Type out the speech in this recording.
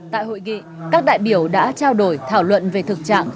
tại hội nghị các đại biểu đã trao đổi thảo luận về thực trạng